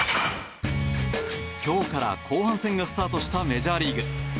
今日から後半戦がスタートしたメジャーリーグ。